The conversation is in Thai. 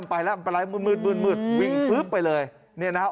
มันไปแล้วมันไปร้ายมืดมืดมืดมืดวิ่งฟึ๊บไปเลยเนี่ยนะฮะ